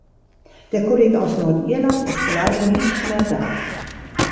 Der Kollege aus Nordirland ist leider nicht mehr da.